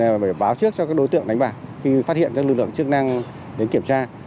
và phải báo trước cho các đối tượng đánh bạc khi phát hiện các lực lượng chức năng đến kiểm tra